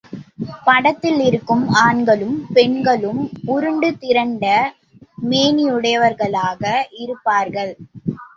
படத்தில் இருக்கும் ஆண்களும், பெண்களும் உருண்டு திரண்ட மேனியுடையவர்களாக இருப்பார்கள்.